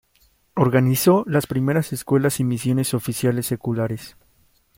Organizó las primeras escuelas y misiones oficiales seculares.